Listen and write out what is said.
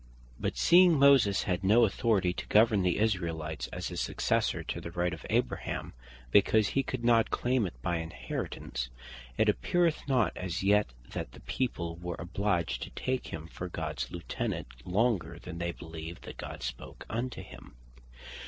But seeing Moses had no authority to govern the Israelites, as a successor to the right of Abraham, because he could not claim it by inheritance; it appeareth not as yet, that the people were obliged to take him for Gods Lieutenant, longer than they beleeved that God spake unto him.